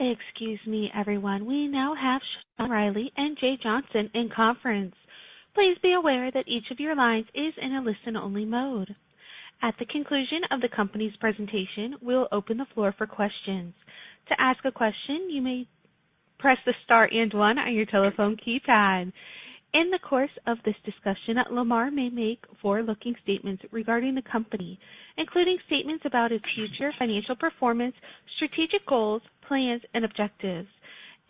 Excuse me, everyone. We now have Sean Reilly and Jay Johnson in conference. Please be aware that each of your lines is in a listen-only mode. At the conclusion of the company's presentation, we'll open the floor for questions. To ask a question, you may press the star and one on your telephone keypad. In the course of this discussion, Lamar may make forward-looking statements regarding the company, including statements about its future financial performance, strategic goals, plans, and objectives,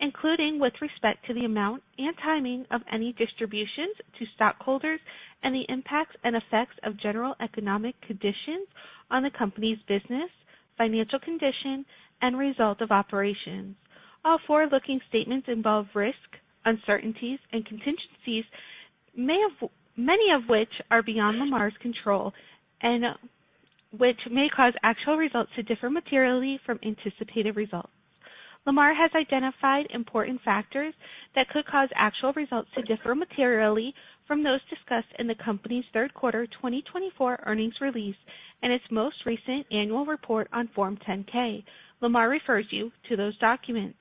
including with respect to the amount and timing of any distributions to stockholders and the impacts and effects of general economic conditions on the company's business, financial condition, and results of operations. All forward-looking statements involve risk, uncertainties, and contingencies, many of which are beyond Lamar's control and which may cause actual results to differ materially from anticipated results. Lamar has identified important factors that could cause actual results to differ materially from those discussed in the company's third quarter 2024 earnings release and its most recent annual report on Form 10-K. Lamar refers you to those documents.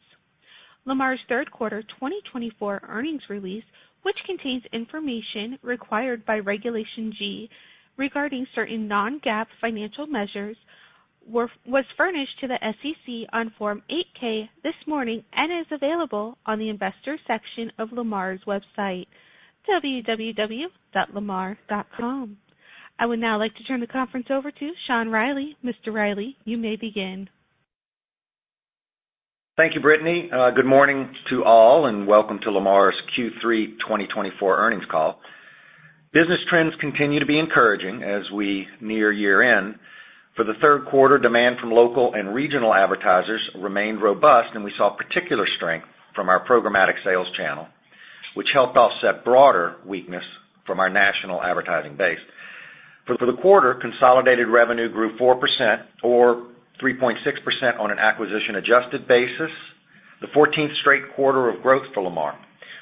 Lamar's third quarter 2024 earnings release, which contains information required by Regulation G regarding certain non-GAAP financial measures, was furnished to the SEC on Form 8-K this morning and is available on the investor section of Lamar's website, www.lamar.com. I would now like to turn the conference over to Sean Reilly. Mr. Reilly, you may begin. Thank you, Brittany. Good morning to all, and welcome to Lamar's Q3 2024 earnings call. Business trends continue to be encouraging as we near year-end. For the third quarter, demand from local and regional advertisers remained robust, and we saw particular strength from our programmatic sales channel, which helped offset broader weakness from our national advertising base. For the quarter, consolidated revenue grew 4% or 3.6% on an acquisition-adjusted basis, the 14th straight quarter of growth for Lamar.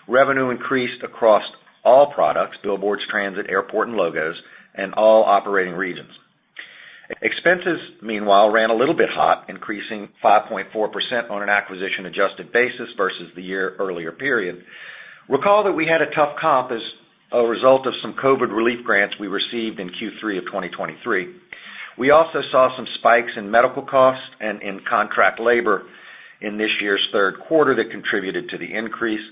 Revenue increased across all products, billboards, transit, airport, and logos, and all operating regions. Expenses, meanwhile, ran a little bit hot, increasing 5.4% on an acquisition-adjusted basis versus the year earlier period. Recall that we had a tough comp as a result of some COVID relief grants we received in Q3 of 2023. We also saw some spikes in medical costs and in contract labor in this year's third quarter that contributed to the increase.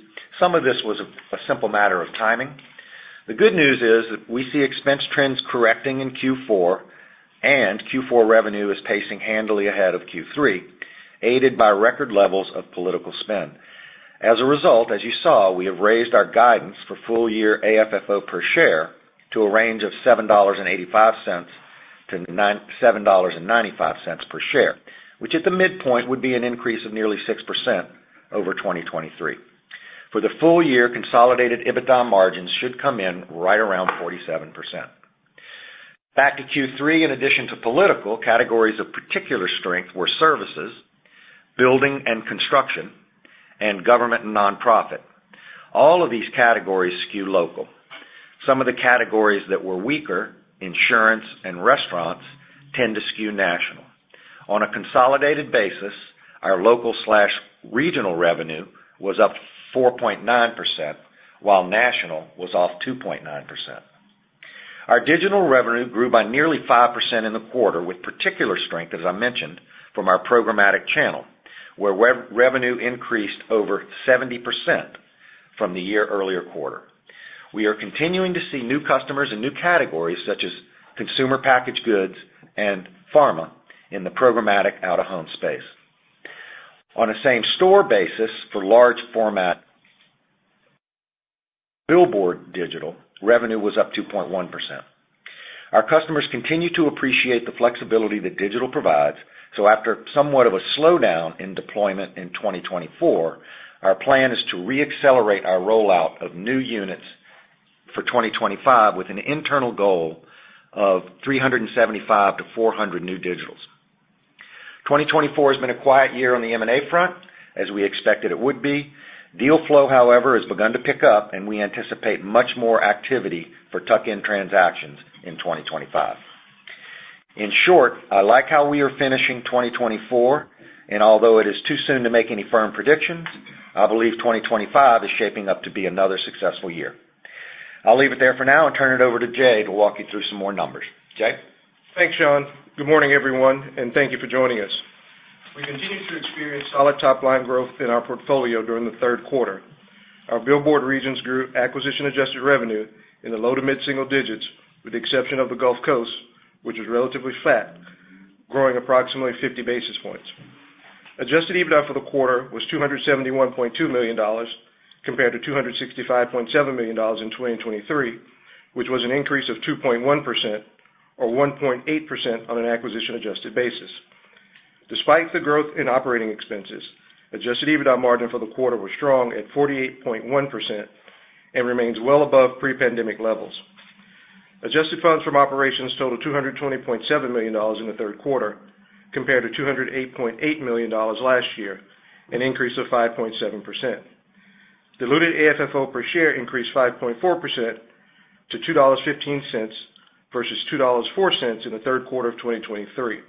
Some of this was a simple matter of timing. The good news is that we see expense trends correcting in Q4, and Q4 revenue is pacing handily ahead of Q3, aided by record levels of political spend. As a result, as you saw, we have raised our guidance for full-year AFFO per share to a range of $7.85-$7.95 per share, which at the midpoint would be an increase of nearly 6% over 2023. For the full year, consolidated EBITDA margins should come in right around 47%. Back to Q3, in addition to political, categories of particular strength were services, building and construction, and government and nonprofit. All of these categories skew local. Some of the categories that were weaker, insurance and restaurants, tend to skew national. On a consolidated basis, our local/regional revenue was up 4.9%, while national was off 2.9%. Our digital revenue grew by nearly 5% in the quarter, with particular strength, as I mentioned, from our programmatic channel, where revenue increased over 70% from the year earlier quarter. We are continuing to see new customers in new categories such as consumer packaged goods and pharma in the programmatic out-of-home space. On a same store basis, for large-format billboard digital, revenue was up 2.1%. Our customers continue to appreciate the flexibility that digital provides, so after somewhat of a slowdown in deployment in 2024, our plan is to re-accelerate our rollout of new units for 2025 with an internal goal of 375-400 new digitals. 2024 has been a quiet year on the M&A front, as we expected it would be. Deal flow, however, has begun to pick up, and we anticipate much more activity for tuck-in transactions in 2025. In short, I like how we are finishing 2024, and although it is too soon to make any firm predictions, I believe 2025 is shaping up to be another successful year. I'll leave it there for now and turn it over to Jay to walk you through some more numbers. Jay? Thanks, Sean. Good morning, everyone, and thank you for joining us. We continue to experience solid top-line growth in our portfolio during the third quarter. Our billboard regions grew acquisition-adjusted revenue in the low to mid-single digits, with the exception of the Gulf Coast, which is relatively flat, growing approximately 50 basis points. Adjusted EBITDA for the quarter was $271.2 million compared to $265.7 million in 2023, which was an increase of 2.1% or 1.8% on an acquisition-adjusted basis. Despite the growth in operating expenses, adjusted EBITDA margin for the quarter was strong at 48.1% and remains well above pre-pandemic levels. Adjusted funds from operations totaled $220.7 million in the third quarter compared to $208.8 million last year, an increase of 5.7%. Diluted AFFO per share increased 5.4% to $2.15 versus $2.04 in the third quarter of 2023.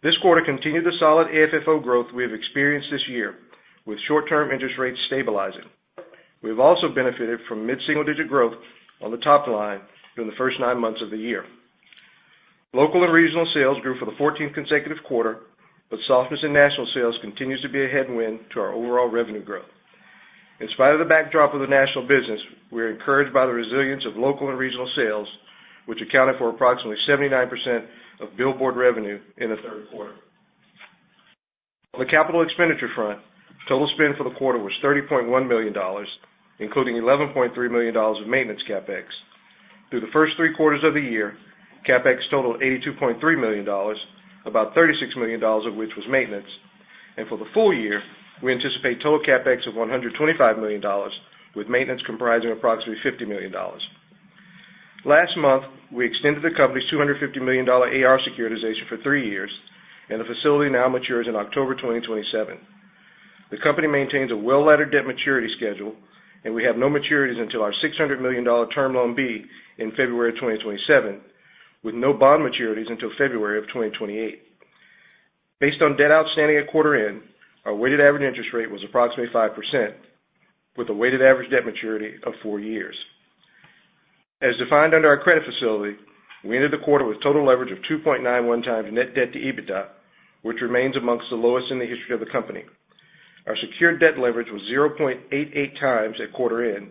This quarter continued the solid AFFO growth we have experienced this year, with short-term interest rates stabilizing. We have also benefited from mid-single digit growth on the top line during the first nine months of the year. Local and regional sales grew for the 14th consecutive quarter, but softness in national sales continues to be a headwind to our overall revenue growth. In spite of the backdrop of the national business, we are encouraged by the resilience of local and regional sales, which accounted for approximately 79% of billboard revenue in the third quarter. On the capital expenditure front, total spend for the quarter was $30.1 million, including $11.3 million of maintenance CapEx. Through the first three quarters of the year, CapEx totaled $82.3 million, about $36 million of which was maintenance. For the full year, we anticipate total CapEx of $125 million, with maintenance comprising approximately $50 million. Last month, we extended the company's $250 million AR Securitization for three years, and the facility now matures in October 2027. The company maintains a well-laddered debt maturity schedule, and we have no maturities until our $600 million Term Loan B in February 2027, with no bond maturities until February of 2028. Based on debt outstanding at quarter end, our weighted average interest rate was approximately 5%, with a weighted average debt maturity of four years. As defined under our credit facility, we ended the quarter with total leverage of 2.91 times net debt to EBITDA, which remains among the lowest in the history of the company. Our secured debt leverage was 0.88 times at quarter end,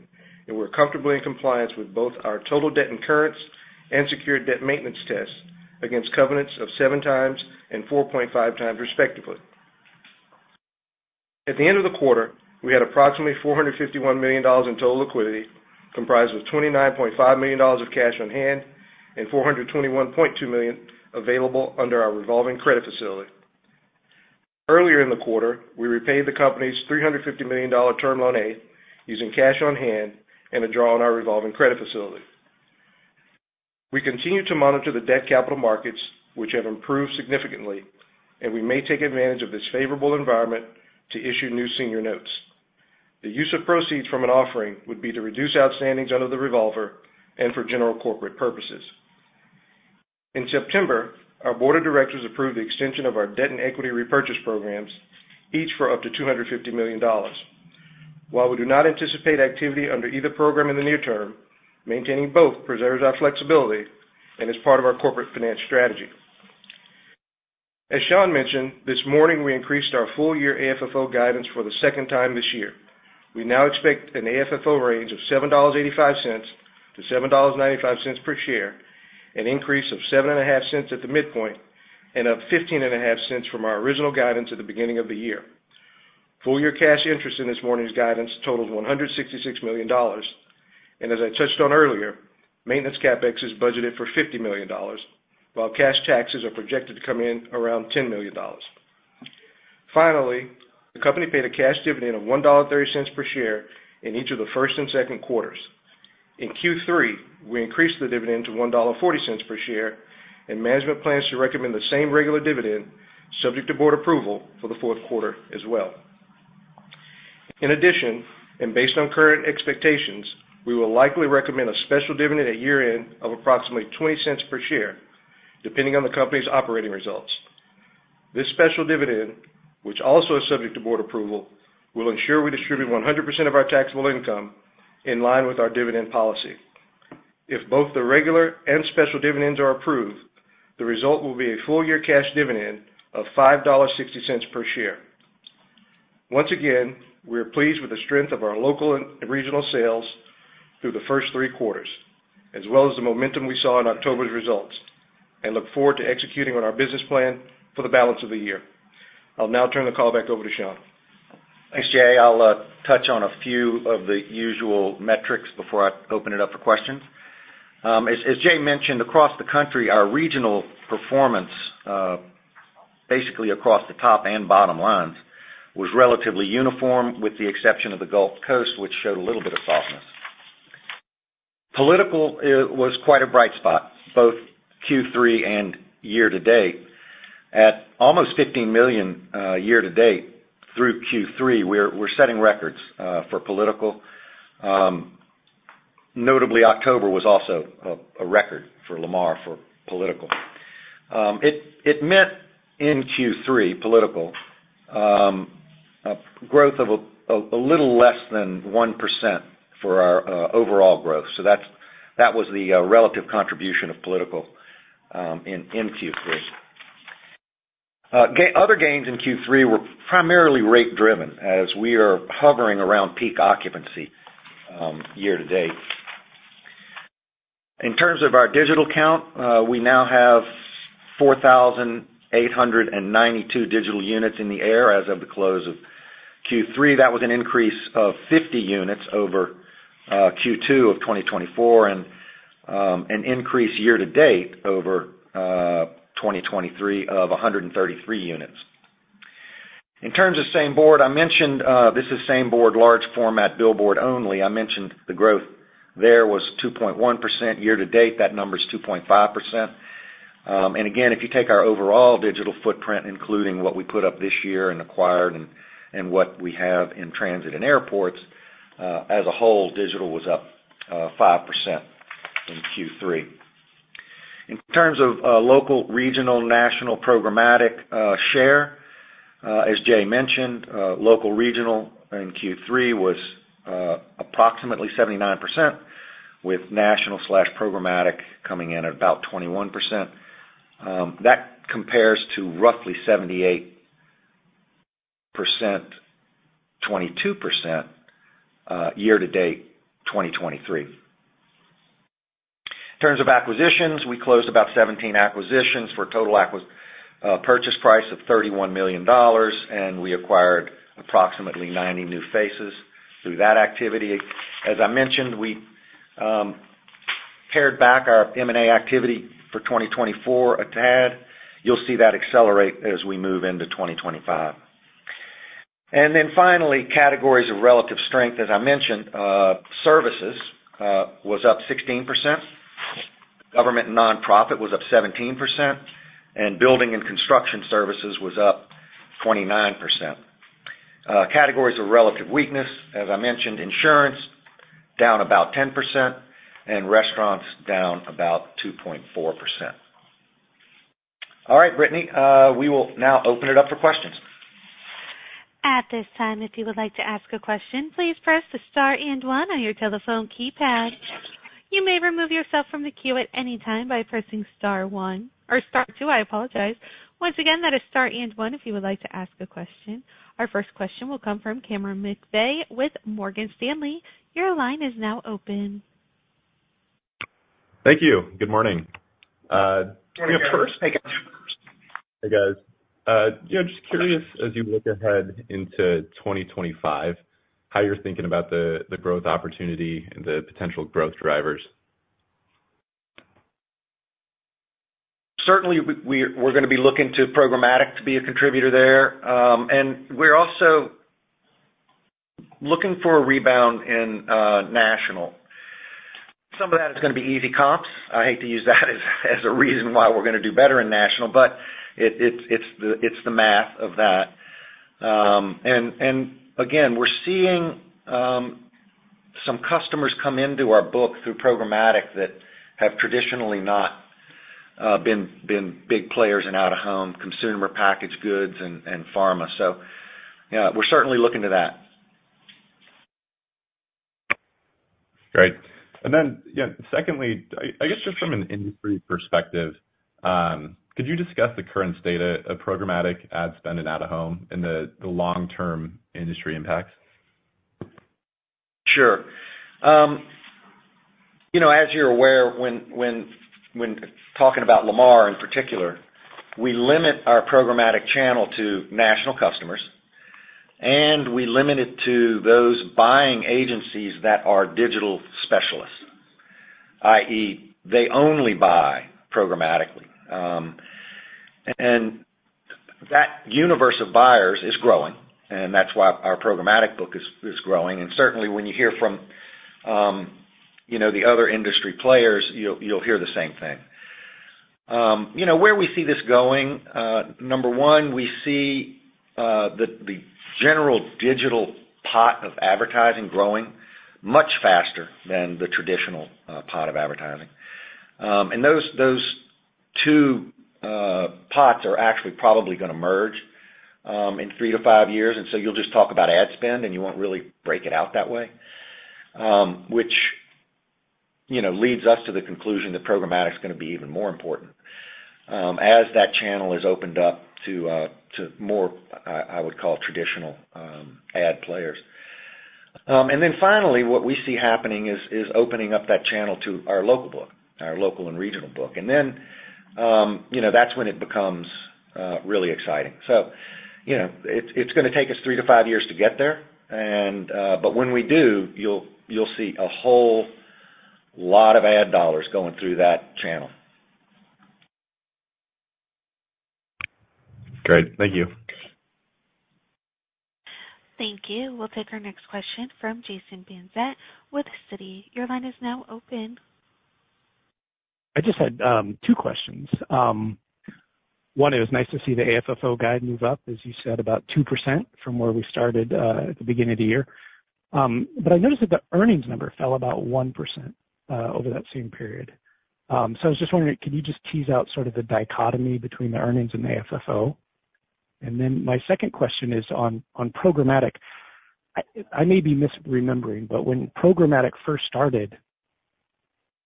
and we're comfortably in compliance with both our total debt incurrence and secured debt maintenance tests against covenants of 7 times and 4.5 times, respectively. At the end of the quarter, we had approximately $451 million in total liquidity, comprised of $29.5 million of cash on hand and $421.2 million available under our revolving credit facility. Earlier in the quarter, we repaid the company's $350 million Term loan A using cash on hand and a draw on our revolving credit facility. We continue to monitor the debt capital markets, which have improved significantly, and we may take advantage of this favorable environment to issue new senior notes. The use of proceeds from an offering would be to reduce outstandings under the revolver and for general corporate purposes. In September, our board of directors approved the extension of our debt and equity repurchase programs, each for up to $250 million. While we do not anticipate activity under either program in the near term, maintaining both preserves our flexibility and is part of our corporate finance strategy. As Sean mentioned, this morning, we increased our full-year AFFO guidance for the second time this year. We now expect an AFFO range of $7.85-$7.95 per share, an increase of $0.075 at the midpoint, and up $0.155 from our original guidance at the beginning of the year. Full-year cash interest in this morning's guidance totaled $166 million, and as I touched on earlier, maintenance CapEx is budgeted for $50 million, while cash taxes are projected to come in around $10 million. Finally, the company paid a cash dividend of $1.30 per share in each of the first and second quarters. In Q3, we increased the dividend to $1.40 per share, and management plans to recommend the same regular dividend, subject to board approval, for the fourth quarter as well. In addition, and based on current expectations, we will likely recommend a special dividend at year-end of approximately $0.20 per share, depending on the company's operating results. This special dividend, which also is subject to board approval, will ensure we distribute 100% of our taxable income in line with our dividend policy. If both the regular and special dividends are approved, the result will be a full-year cash dividend of $5.60 per share. Once again, we are pleased with the strength of our local and regional sales through the first three quarters, as well as the momentum we saw in October's results, and look forward to executing on our business plan for the balance of the year. I'll now turn the call back over to Sean. Thanks, Jay. I'll touch on a few of the usual metrics before I open it up for questions. As Jay mentioned, across the country, our regional performance, basically across the top and bottom lines, was relatively uniform, with the exception of the Gulf Coast, which showed a little bit of softness. Political was quite a bright spot, both Q3 and year-to-date. At almost $15 million year-to-date through Q3, we're setting records for political. Notably, October was also a record for Lamar for political. It meant in Q3, political, a growth of a little less than 1% for our overall growth. So that was the relative contribution of political in Q3. Other gains in Q3 were primarily rate-driven, as we are hovering around peak occupancy year-to-date. In terms of our digital count, we now have 4,892 digital units in the air as of the close of Q3. That was an increase of 50 units over Q2 of 2024 and an increase year-to-date over 2023 of 133 units. In terms of same board, I mentioned this is same board, large format billboard only. I mentioned the growth there was 2.1% year-to-date. That number is 2.5%. And again, if you take our overall digital footprint, including what we put up this year and acquired and what we have in transit and airports, as a whole, digital was up 5% in Q3. In terms of local, regional, national, programmatic share, as Jay mentioned, local, regional in Q3 was approximately 79%, with national/programmatic coming in at about 21%. That compares to roughly 78%, 22% year-to-date 2023. In terms of acquisitions, we closed about 17 acquisitions for a total purchase price of $31 million, and we acquired approximately 90 new faces through that activity. As I mentioned, we pared back our M&A activity for 2024 a tad. You'll see that accelerate as we move into 2025. And then finally, categories of relative strength, as I mentioned, services was up 16%. Government and nonprofit was up 17%, and building and construction services was up 29%. Categories of relative weakness, as I mentioned, insurance down about 10%, and restaurants down about 2.4%. All right, Brittney, we will now open it up for questions. At this time, if you would like to ask a question, please press the star and one on your telephone keypad. You may remove yourself from the queue at any time by pressing star one or star two. I apologize. Once again, that is star and one if you would like to ask a question. Our first question will come from Cameron McVeigh with Morgan Stanley. Your line is now open. Thank you. Good morning. Good morning. Hey, guys. Just curious, as you look ahead into 2025, how you're thinking about the growth opportunity and the potential growth drivers? Certainly, we're going to be looking to programmatic to be a contributor there. And we're also looking for a rebound in national. Some of that is going to be easy comps. I hate to use that as a reason why we're going to do better in national, but it's the math of that. And again, we're seeing some customers come into our book through programmatic that have traditionally not been big players in out-of-home consumer packaged goods and pharma. So yeah, we're certainly looking to that. Great. And then secondly, I guess just from an industry perspective, could you discuss the current state of programmatic ad spend in out-of-home and the long-term industry impacts? Sure. As you're aware, when talking about Lamar in particular, we limit our programmatic channel to national customers, and we limit it to those buying agencies that are digital specialists, i.e., they only buy programmatically. And that universe of buyers is growing, and that's why our programmatic book is growing. And certainly, when you hear from the other industry players, you'll hear the same thing. Where we see this going, number one, we see the general digital pot of advertising growing much faster than the traditional pot of advertising. And those two pots are actually probably going to merge in three to five years. And so you'll just talk about ad spend, and you won't really break it out that way, which leads us to the conclusion that programmatic is going to be even more important as that channel is opened up to more, I would call, traditional ad players. Then finally, what we see happening is opening up that channel to our local book, our local and regional book. Then that's when it becomes really exciting. It's going to take us three to five years to get there. When we do, you'll see a whole lot of ad dollars going through that channel. Great. Thank you. Thank you. We'll take our next question from Jason Bazinet with Citi. Your line is now open. I just had two questions. One, it was nice to see the AFFO guide move up, as you said, about 2% from where we started at the beginning of the year. But I noticed that the earnings number fell about 1% over that same period. So I was just wondering, could you just tease out sort of the dichotomy between the earnings and the AFFO? And then my second question is on programmatic. I may be misremembering, but when programmatic first started,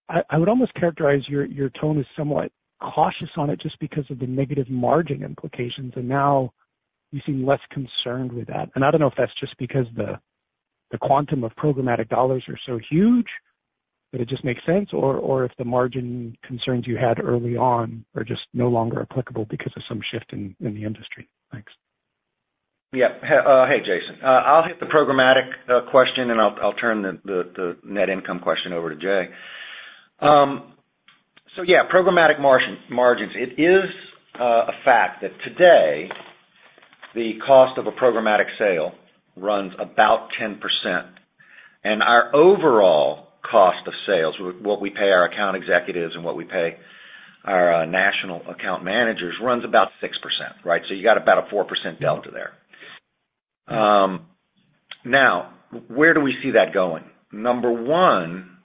I would almost characterize your tone as somewhat cautious on it just because of the negative margin implications. And now you seem less concerned with that. And I don't know if that's just because the quantum of programmatic dollars are so huge that it just makes sense, or if the margin concerns you had early on are just no longer applicable because of some shift in the industry. Thanks. Yeah. Hey, Jason. I'll hit the programmatic question, and I'll turn the net income question over to Jay. So yeah, programmatic margins. It is a fact that today, the cost of a programmatic sale runs about 10%. And our overall cost of sales, what we pay our account executives and what we pay our national account managers, runs about 6%, right? So you got about a 4% delta there. Now, where do we see that going? Number one,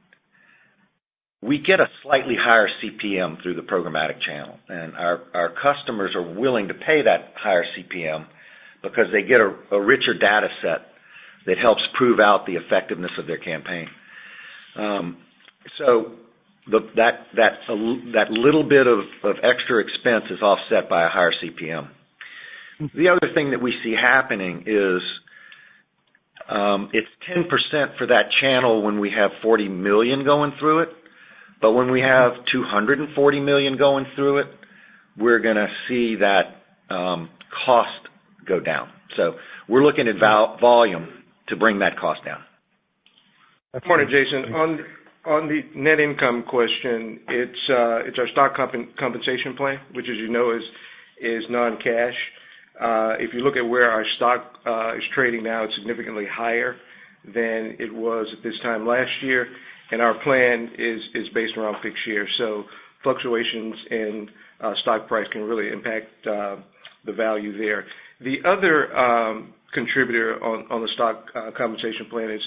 we get a slightly higher CPM through the programmatic channel. And our customers are willing to pay that higher CPM because they get a richer data set that helps prove out the effectiveness of their campaign. So that little bit of extra expense is offset by a higher CPM. The other thing that we see happening is it's 10% for that channel when we have 40 million going through it. But when we have 240 million going through it, we're going to see that cost go down. So we're looking at volume to bring that cost down. My point, Jason, on the net income question, it's our stock compensation plan, which, as you know, is non-cash. If you look at where our stock is trading now, it's significantly higher than it was at this time last year, and our plan is based around fixed shares, so fluctuations in stock price can really impact the value there. The other contributor on the stock compensation plan is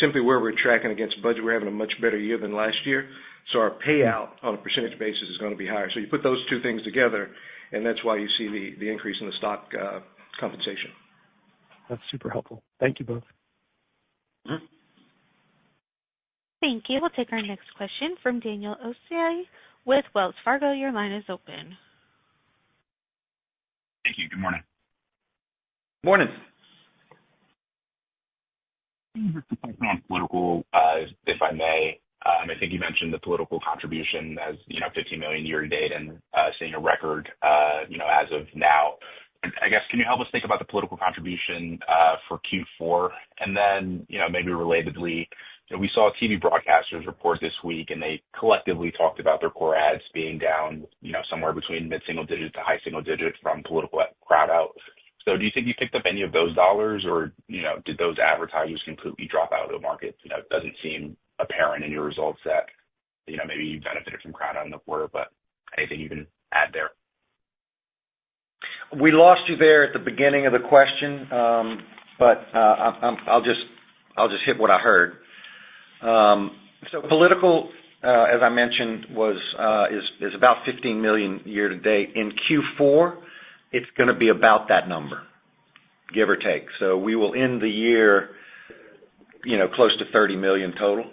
simply where we're tracking against budget. We're having a much better year than last year, so our payout on a percentage basis is going to be higher, so you put those two things together, and that's why you see the increase in the stock compensation. That's super helpful. Thank you both. Thank you. We'll take our next question from Daniel Day with Wells Fargo. Your line is open. Thank you. Good morning. Morning. Political, if I may. I think you mentioned the political contribution as $15 million year-to-date and seeing a record as of now. I guess, can you help us think about the political contribution for Q4? And then maybe relatedly, we saw TV broadcasters report this week, and they collectively talked about their core ads being down somewhere between mid-single-digit to high single-digit % from political crowd out. So do you think you picked up any of those dollars, or did those advertisers completely drop out of the market? It doesn't seem apparent in your results that maybe you benefited from crowd out in the quarter, but anything you can add there? We lost you there at the beginning of the question, but I'll just hit what I heard, so political, as I mentioned, is about $15 million year-to-date. In Q4, it's going to be about that number, give or take, so we will end the year close to $30 million total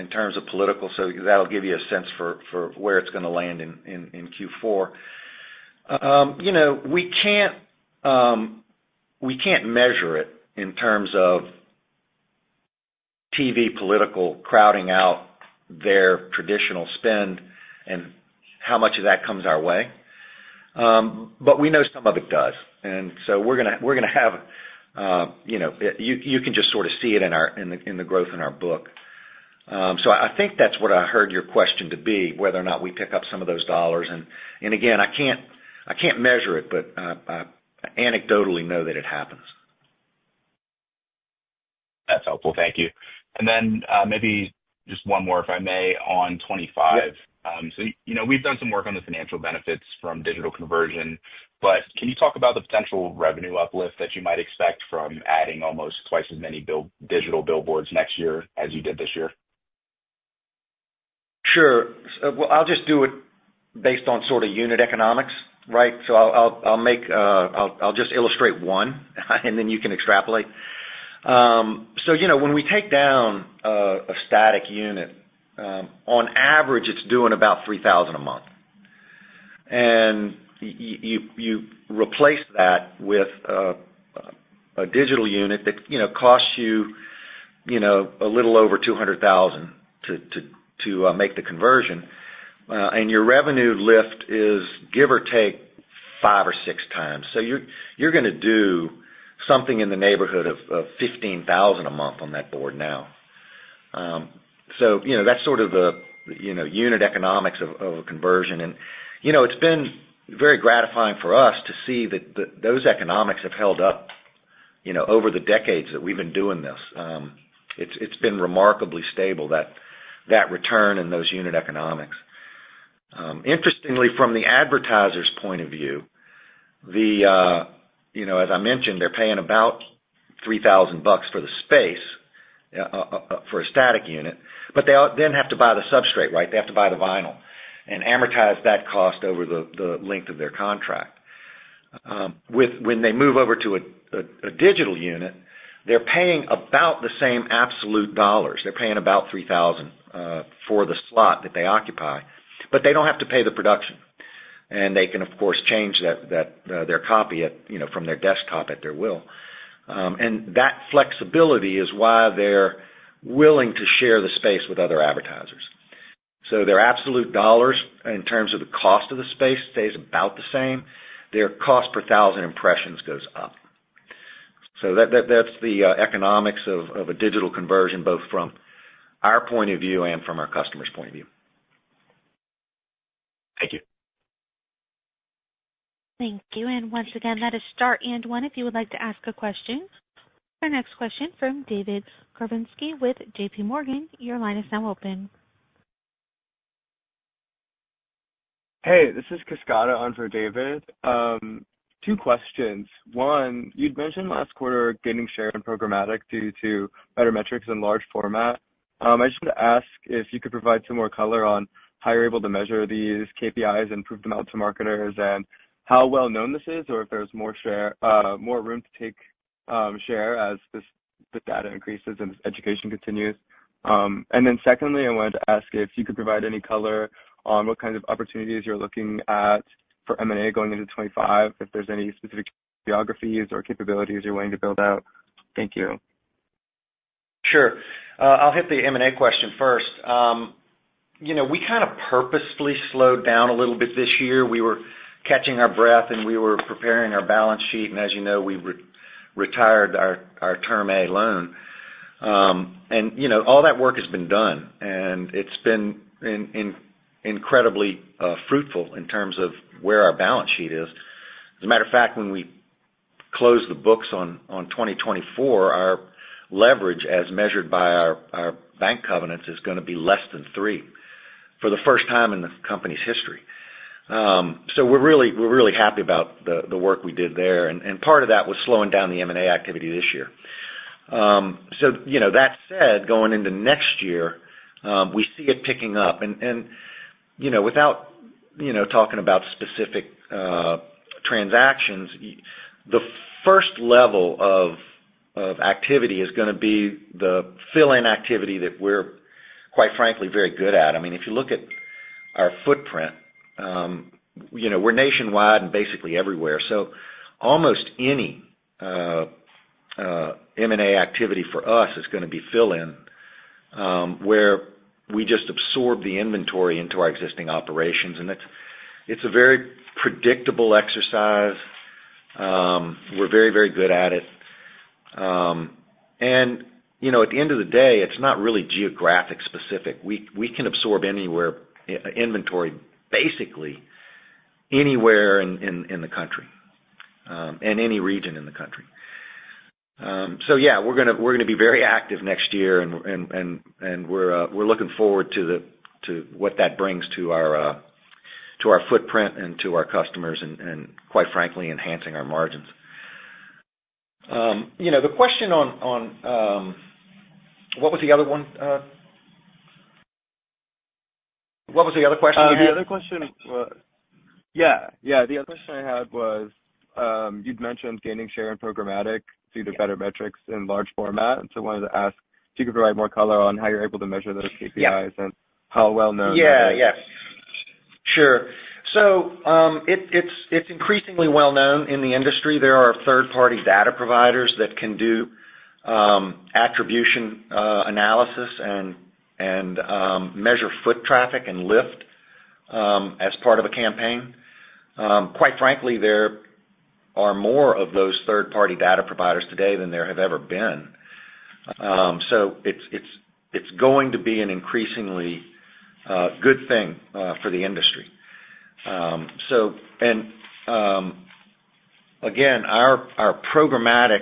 in terms of political. That'll give you a sense for where it's going to land in Q4. We can't measure it in terms of TV political crowding out their traditional spend and how much of that comes our way, but we know some of it does. And so we're going to have you can just sort of see it in the growth in our book, so I think that's what I heard your question to be, whether or not we pick up some of those dollars. And again, I can't measure it, but I anecdotally know that it happens. That's helpful. Thank you. And then maybe just one more, if I may, on 25. So we've done some work on the financial benefits from digital conversion. But can you talk about the potential revenue uplift that you might expect from adding almost twice as many digital billboards next year as you did this year? Sure. Well, I'll just do it based on sort of unit economics, right? So I'll just illustrate one, and then you can extrapolate. So when we take down a static unit, on average, it's doing about $3,000 a month. And you replace that with a digital unit that costs you a little over $200,000 to make the conversion. And your revenue lift is, give or take, five or six times. So you're going to do something in the neighborhood of $15,000 a month on that board now. So that's sort of the unit economics of a conversion. And it's been very gratifying for us to see that those economics have held up over the decades that we've been doing this. It's been remarkably stable, that return in those unit economics. Interestingly, from the advertiser's point of view, as I mentioned, they're paying about $3,000 for the space for a static unit, but they then have to buy the substrate, right? They have to buy the vinyl and amortize that cost over the length of their contract. When they move over to a digital unit, they're paying about the same absolute dollars. They're paying about $3,000 for the slot that they occupy, but they don't have to pay the production, and they can, of course, change their copy from their desktop at their will, and that flexibility is why they're willing to share the space with other advertisers, so their absolute dollars in terms of the cost of the space stays about the same. Their cost per thousand impressions goes up. So that's the economics of a digital conversion, both from our point of view and from our customer's point of view. Thank you. Thank you and once again, that is star and one if you would like to ask a question. Our next question from David Karnovsky with J.P. Morgan. Your line is now open. Hey, this is Cascata on for David. Two questions. One, you'd mentioned last quarter gaining share in programmatic due to better metrics in large format. I just want to ask if you could provide some more color on how you're able to measure these KPIs and prove them out to marketers and how well-known this is or if there's more room to take share as the data increases and education continues. And then secondly, I wanted to ask if you could provide any color on what kinds of opportunities you're looking at for M&A going into 2025, if there's any specific geographies or capabilities you're willing to build out. Thank you. Sure. I'll hit the M&A question first. We kind of purposefully slowed down a little bit this year. We were catching our breath, and we were preparing our balance sheet. And as you know, we retired our Term Loan A. And all that work has been done, and it's been incredibly fruitful in terms of where our balance sheet is. As a matter of fact, when we close the books on 2024, our leverage, as measured by our bank covenants, is going to be less than 3 for the first time in the company's history. So we're really happy about the work we did there. And part of that was slowing down the M&A activity this year. So that said, going into next year, we see it picking up. Without talking about specific transactions, the first level of activity is going to be the fill-in activity that we're, quite frankly, very good at. I mean, if you look at our footprint, we're nationwide and basically everywhere. So almost any M&A activity for us is going to be fill-in where we just absorb the inventory into our existing operations. And it's a very predictable exercise. We're very, very good at it. And at the end of the day, it's not really geographic specific. We can absorb inventory basically anywhere in the country and any region in the country. So yeah, we're going to be very active next year, and we're looking forward to what that brings to our footprint and to our customers and, quite frankly, enhancing our margins. The question on what was the other one? What was the other question you had? The other question I had was you'd mentioned gaining share in programmatic due to better metrics in large format. So I wanted to ask if you could provide more color on how you're able to measure those KPIs and how well-known that is. Yeah. Yes. Sure. So it's increasingly well-known in the industry. There are third-party data providers that can do attribution analysis and measure foot traffic and lift as part of a campaign. Quite frankly, there are more of those third-party data providers today than there have ever been. So it's going to be an increasingly good thing for the industry. And again, our programmatic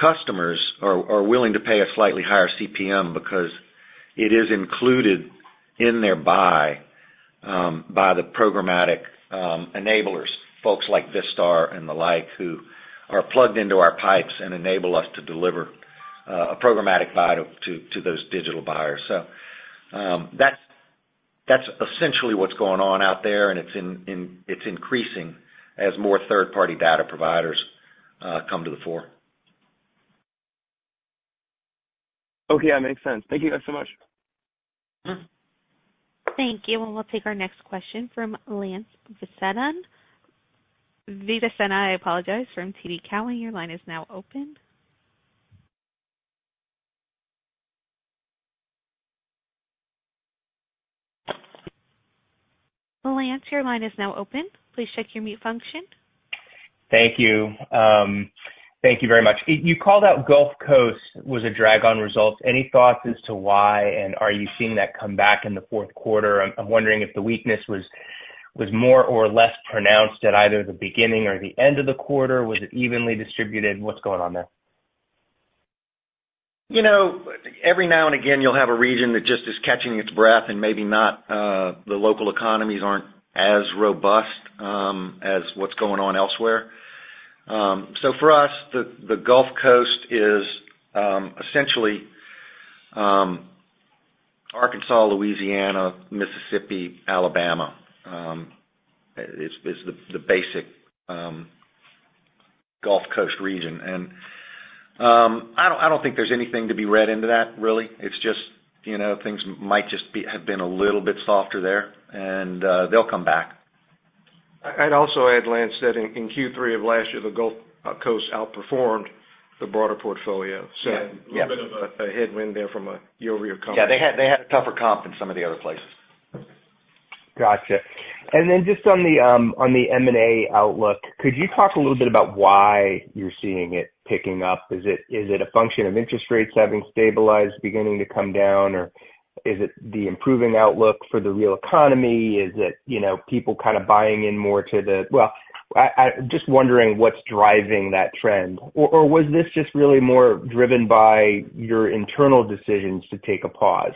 customers are willing to pay a slightly higher CPM because it is included in their buy by the programmatic enablers, folks like Vistar and the like, who are plugged into our pipes and enable us to deliver a programmatic buy to those digital buyers. So that's essentially what's going on out there, and it's increasing as more third-party data providers come to the fore. Okay. That makes sense. Thank you guys so much. Thank you. And we'll take our next question from Lance Vitanza. Vitanza, I apologize, from TD Cowen. Your line is now open. Lance, your line is now open. Please check your mute function. Thank you. Thank you very much. You called out Gulf Coast was a drag on results. Any thoughts as to why, and are you seeing that come back in the fourth quarter? I'm wondering if the weakness was more or less pronounced at either the beginning or the end of the quarter. Was it evenly distributed? What's going on there? Every now and again, you'll have a region that just is catching its breath and maybe not the local economies aren't as robust as what's going on elsewhere. So for us, the Gulf Coast is essentially Arkansas, Louisiana, Mississippi, Alabama. It's the basic Gulf Coast region. And I don't think there's anything to be read into that, really. It's just things might just have been a little bit softer there, and they'll come back. I'd also add, Lance, that in Q3 of last year, the Gulf Coast outperformed the broader portfolio. So a bit of a headwind there from a year-over-year comp. Yeah. They had a tougher comp in some of the other places. Gotcha. And then just on the M&A outlook, could you talk a little bit about why you're seeing it picking up? Is it a function of interest rates having stabilized, beginning to come down, or is it the improving outlook for the real economy? Is it people kind of buying in more to the, well, I'm just wondering what's driving that trend? Or was this just really more driven by your internal decisions to take a pause?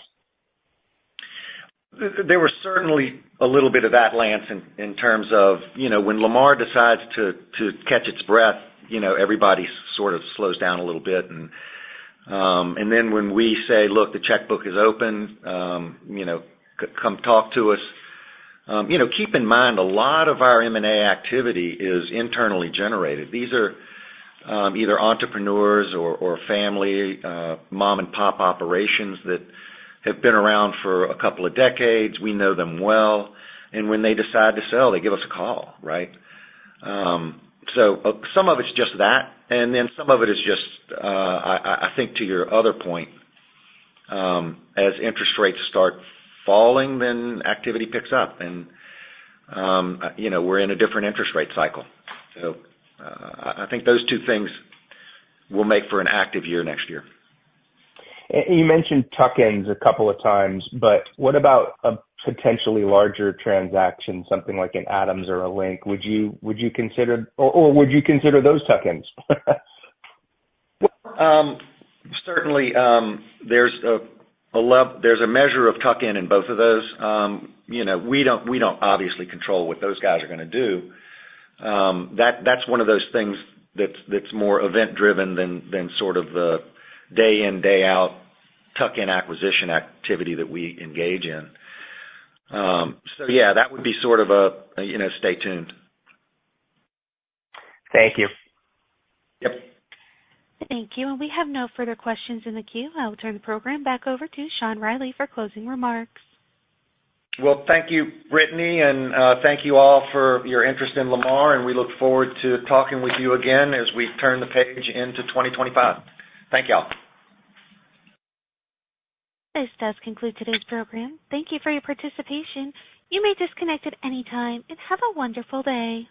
There was certainly a little bit of that, Lance, in terms of when Lamar decides to catch its breath, everybody sort of slows down a little bit. And then when we say, "Look, the checkbook is open. Come talk to us." Keep in mind, a lot of our M&A activity is internally generated. These are either entrepreneurs or family, mom-and-pop operations that have been around for a couple of decades. We know them well. And when they decide to sell, they give us a call, right? So some of it's just that. And then some of it is just, I think, to your other point, as interest rates start falling, then activity picks up. And we're in a different interest rate cycle. So I think those two things will make for an active year next year. You mentioned tuck-ins a couple of times, but what about a potentially larger transaction, something like an Adams or a Link? Would you consider those tuck-ins? Certainly, there's a measure of tuck-in in both of those. We don't obviously control what those guys are going to do. That's one of those things that's more event-driven than sort of the day-in, day-out tuck-in acquisition activity that we engage in. So yeah, that would be sort of a stay tuned. Thank you. Yep. Thank you, and we have no further questions in the queue. I'll turn the program back over to Sean Reilly for closing remarks. Well, thank you, Brittany. And thank you all for your interest in Lamar. And we look forward to talking with you again as we turn the page into 2025. Thank y'all. This does conclude today's program. Thank you for your participation. You may disconnect at any time. And have a wonderful day.